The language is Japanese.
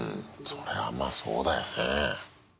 それはまあ、そうだよね。